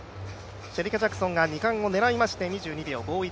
シェリカ・ジャクソンが２冠を狙いまして、２２秒５１。